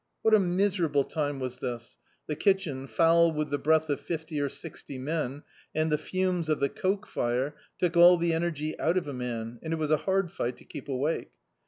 What a miserable time was this: the kitchen, foul with the breath of fifty or sixty men, and the fumes of the coke fire, took all the energj out of a man, and it was a hard fight to keep awake.